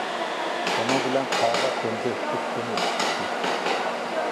شۇنىڭ بىلەن قاغا كومزەكتىكى سۇنى ئىچىپتۇ.